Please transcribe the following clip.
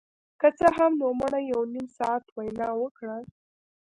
که څه هم نوموړي یو نیم ساعت وینا وکړه